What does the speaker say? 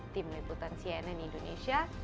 tim liputan cnn indonesia